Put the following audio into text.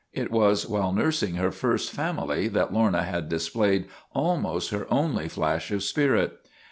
It was while nursing her first family that Lorna had displayed almost her only flash of spirit.